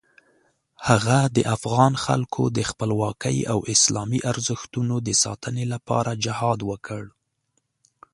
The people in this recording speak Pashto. هغه د افغان خلکو د خپلواکۍ او اسلامي ارزښتونو د ساتنې لپاره جهاد وکړ.